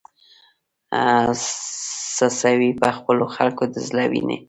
څڅوې په خپلو خلکو د زړه وینې